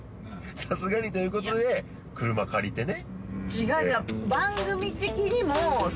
さすがにということで車借りてね